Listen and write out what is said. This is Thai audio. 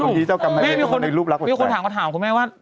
สักทีเจ้ากำไรเวียนมีคนในรูปรักหวัดแช่มีคนถามคุณแม่ว่า